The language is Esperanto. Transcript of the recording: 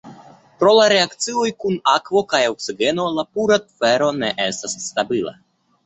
Pro la reakcioj kun akvo kaj oksigeno, la pura fero ne estas stabila.